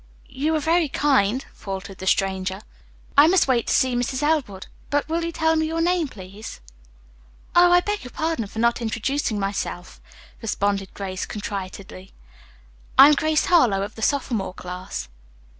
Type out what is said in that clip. "You are very kind," faltered the stranger. "I must wait to see Mrs. Elwood, but will you tell me your name, please?" "Oh, I beg your pardon for not introducing myself," responded Grace contritely. "I am Grace Harlowe of the sophomore class."